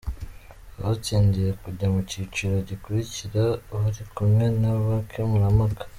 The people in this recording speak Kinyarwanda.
Abatsindiye kujya mu cyiciro gikurikira bari kumwe n'abakemurampaka.